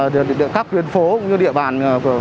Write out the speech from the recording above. các tuyến phố cũng như địa bàn